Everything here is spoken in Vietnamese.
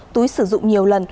túi sử dụng nhiều lần